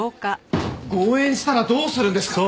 誤嚥したらどうするんですか！？